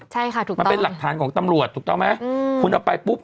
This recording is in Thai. ใช่ค่ะถูกไหมมันเป็นหลักฐานของตำรวจถูกต้องไหมอืมคุณเอาไปปุ๊บ